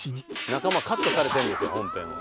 仲間カットされてるんですよ本編は。